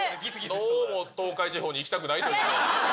どうも東海地方に行きたくないと。